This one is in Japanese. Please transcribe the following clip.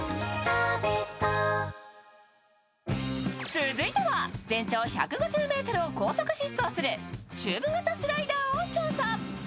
続いては全長１５０ｍを高速疾走するチューブ型スライダーを調査。